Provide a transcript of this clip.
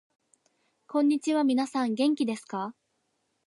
こんにちは、みなさん元気ですか？